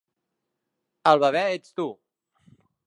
El bebè ets tu!